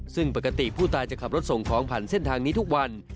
ซึ่งปกติผู้ตายจะขับรถส่งของผ่านเส้นทางนี้ทุกวัน